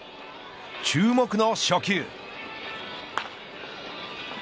注目の初球。